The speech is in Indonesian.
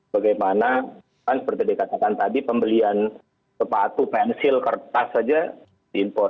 bagaimana kan seperti dikatakan tadi pembelian sepatu pensil kertas saja diimport